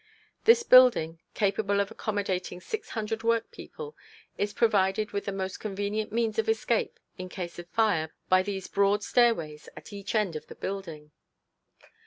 This building, capable of accommodating six hundred work people, is provided with the most convenient means of escape in case of fire by these broad stairways at each end of the building.